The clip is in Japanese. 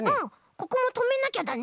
ここもとめなきゃだね。